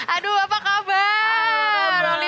aduh apa kabar